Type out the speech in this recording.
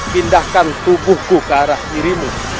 pindahkan tubuhku ke arah dirimu